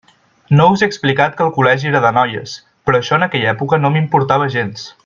No us he explicat que el col·legi era de noies, però això en aquella època no m'importava gens.